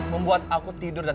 membuat aku tidur dan